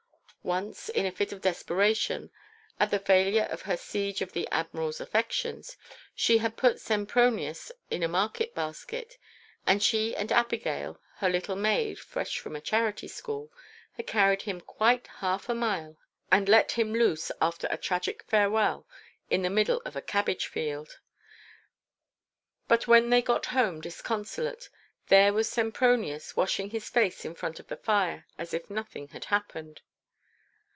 Once, in a fit of desperation at the failure of her siege on the Admiral's affections, she had put Sempronius in a market basket, and she and Abigail—her little maid, fresh from a Charity School—had carried him quite half a mile and let him loose, after a tragic farewell, in the middle of a cabbage field. But when they got home disconsolate, there was Sempronius washing his face in front of the fire as if nothing had happened.